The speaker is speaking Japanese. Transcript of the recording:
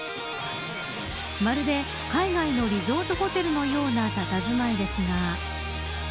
まるで海外のリゾートホテルのような佇まいですが。